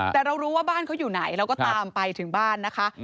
แต่เรารู้ว่าบ้านเขาอยู่ไหนเราก็ตามไปถึงบ้านนะคะ